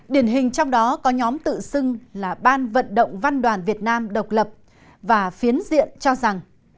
điển hình trong đó có nhóm tự xưng là ban vận động văn đoàn việt nam độc lập và phiến diện cho rằng